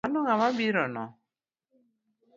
Mano ng’a mabirono?